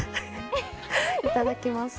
いただきます。